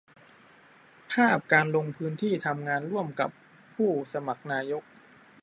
ภาพการลงพื้นที่ทำงานร่วมกับผู้สมัครนายก